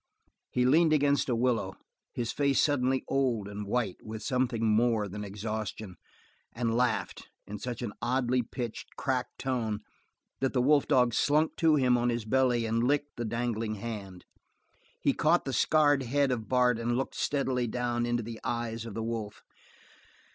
He leaned against a willow, his face suddenly old and white with something more than exhaustion, and laughed in such an oddly pitched, cracked tone that the wolf dog slunk to him on his belly and licked the dangling hand. He caught the scarred head of Bart and looked steadily down into the eyes of the wolf.